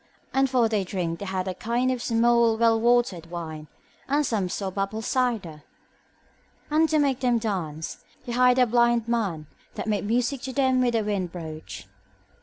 And for their drink they had a kind of small well watered wine, and some sorbapple cider. And, to make them dance, he hired a blind man that made music to them with a wind broach.